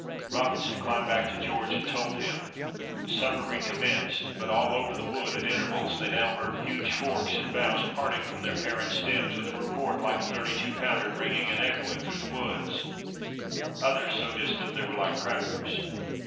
Robinson climbed back to George and told him. Supper recommenced, but all over the wood at intervals they now heard huge forks and boughs parting from their parent stems with a report like a thirty two pounder ringing and echoing through the wood. Others so distant that they were like crackers.